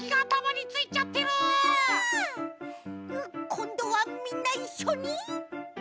こんどはみんないっしょに！